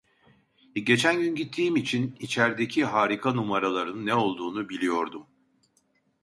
Geçen gün gittiğim için içerdeki harika numaraların ne olduğunu biliyordum: